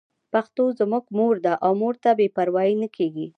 پښتو زموږ مور ده او مور ته بې پروايي نه کېږي.